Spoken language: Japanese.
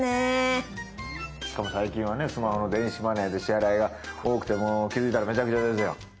しかも最近はねスマホの電子マネーで支払いが多くてもう気づいたらメチャメチャですよ。